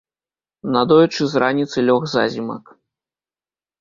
Надоечы з раніцы лёг зазімак.